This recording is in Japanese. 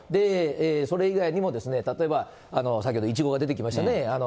それ以外にも例えば、先ほど、イチゴが出てきましたね。